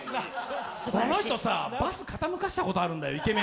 この人さ、バス傾かせたことあるんだよ。